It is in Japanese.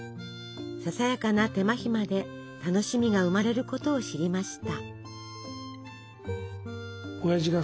ささやかな手間暇で楽しみが生まれることを知りました。